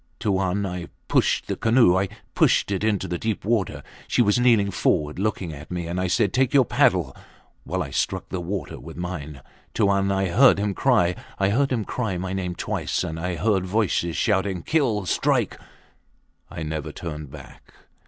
Tuan, I pushed the canoe! I pushed it into deep water. She was kneeling forward looking at me, and I said, Take your paddle, while I struck the water with mine. Tuan, I heard him cry. I heard him cry my name twice; and I heard voices shouting, Kill! Strike! I never turned back.